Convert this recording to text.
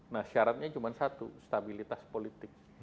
nah syaratnya cuma satu stabilitas politik